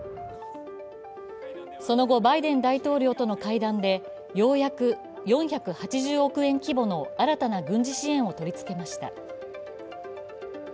その後、バイデン大統領との会談でようやく４８０億円規模の新たな軍事支援を取り付けました。